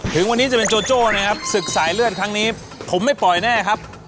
ถึงวันนี้จะเป็นโจโจ้นะครับศึกสายเลือดครั้งนี้ผมไม่ปล่อยแน่ครับ